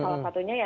salah satunya ya